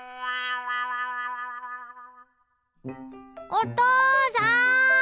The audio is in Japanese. おとうさん！